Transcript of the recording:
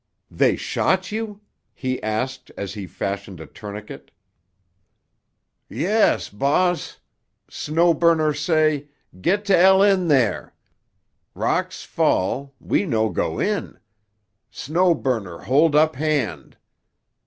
"They shot you?" he asked as he fashioned a tourniquet. "Yes, bahass. Snow Burner say, 'Get t' 'ell in there.' Rocks fall; we no go in. Snow Burner hold up hand.